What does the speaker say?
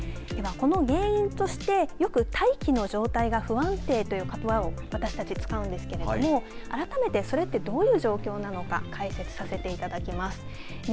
では、この原因としてよく大気の状態が不安定ということばを使うんですが改めてどういう状況なのか解説させていただきます。